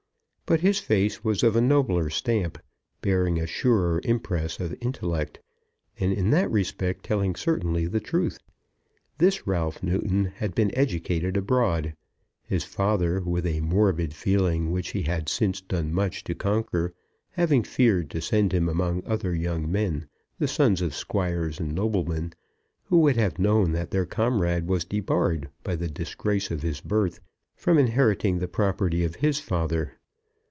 But his face was of a nobler stamp, bearing a surer impress of intellect, and in that respect telling certainly the truth. This Ralph Newton had been educated abroad, his father, with a morbid feeling which he had since done much to conquer, having feared to send him among other young men, the sons of squires and noblemen, who would have known that their comrade was debarred by the disgrace of his birth from inheriting the property of his father.